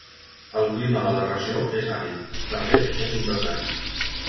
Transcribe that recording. El clima de la regió és àrid, de fet és un desert.